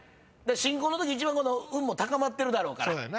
新婚のとき一番運も高まってるだろうから。